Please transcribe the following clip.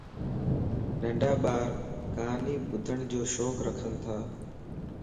ننڍا ٻارَ ڪھاني ٻُڌڙ جو شوق رکنتا